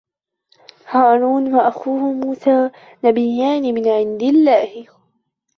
هارون و أخوه موسى نبيان من عند الله.